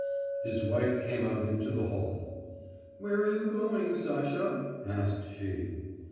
His wife came out into the hall. "Where are you going, Sasha?" asked she.